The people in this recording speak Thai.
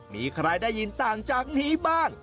มีใครได้ยินต่างจากนี้บ้าง